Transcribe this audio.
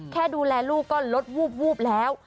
แค่ดูแลลูกก็ลดวูบแล้ว